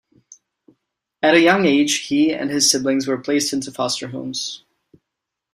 At a young age he and his siblings were placed into foster homes.